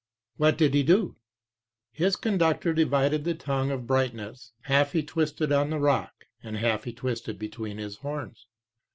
"What did he do?" "His conductor divided the tongue of brightness (iv. 2.) Half he twisted on the rock, and half he twisted between his horns.